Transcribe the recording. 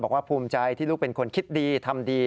ภูมิใจที่ลูกเป็นคนคิดดีทำดี